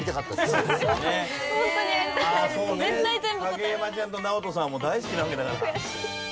影山ちゃんとナオトさんは大好きなわけだから。